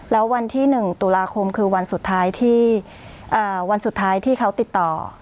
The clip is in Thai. แล้ววันที่๑ตุลาคมคือวันสุดท้ายที่วันสุดท้ายที่เขาติดต่อ